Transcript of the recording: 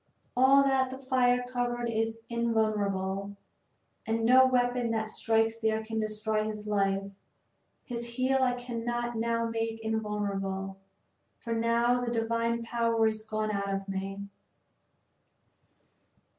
All that the fire covered is invulnerable, and no weapon that strikes there can destroy his life. His heel I cannot now make invulnerable, for now the divine power is gone out of me."